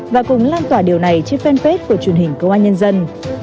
và cùng lan tỏa điều này trên fanpage của truyền hình công an nhân dân